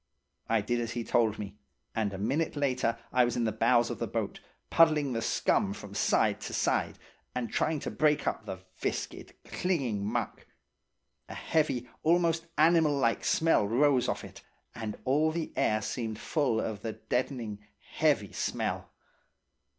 "I did as he told me, and a minute later I was in the bows of the boat, puddling the scum from side to side, and trying to break up the viscid, clinging muck. A heavy almost animal like smell rose off it, and all the air seemed full of the deadening, heavy smell.